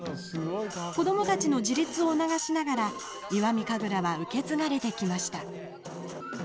子どもたちの自立を促しながら石見神楽は受け継がれてきました。